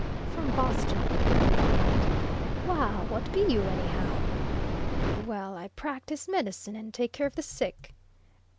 "From Boston," I replied. "Waal, what be you, anyhow?" "Well, I practice medicine, and take care of the sick."